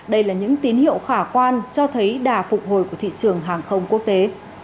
đây là những tín hiệu khả quan cho thấy đà phục hồi của thị trường hàng không quốc tế